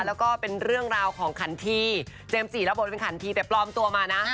แล้วก็เป็นเรื่องราวของขันทีเจมส์จีรับบทเป็นขันทีแต่ปลอมตัวมานะ